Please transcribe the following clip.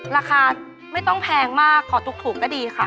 ราคาไม่ต้องแพงมากขอถูกก็ดีค่ะ